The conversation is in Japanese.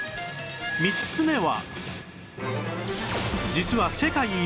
３つ目は